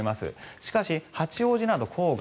しかし、八王子など郊外